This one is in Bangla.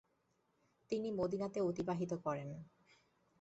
তিনি মদীনাতে অতিবাহিত করেন।